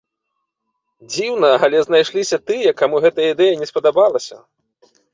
Дзіўна, але знайшліся тыя, каму гэтая ідэя не спадабалася.